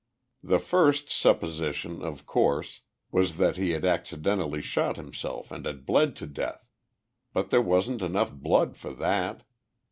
The first supposition, of course, was that he had accidentally shot himself and had bled to death. But there wasn't enough blood for that.